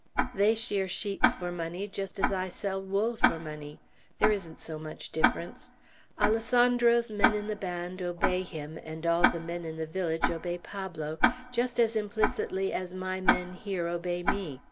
They shear sheep for money just as I sell wool for money. There isn't so much difference. Alessandro's men in the band obey him, and all the men in the village obey Pablo, just as implicitly as my men here obey me.